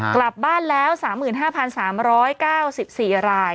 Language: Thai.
กลับบ้านแล้ว๓๕๓๙๔ราย